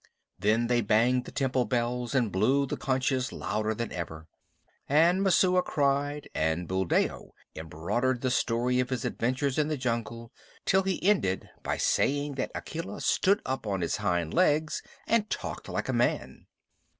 Then they banged the temple bells and blew the conches louder than ever. And Messua cried, and Buldeo embroidered the story of his adventures in the jungle, till he ended by saying that Akela stood up on his hind legs and talked like a man.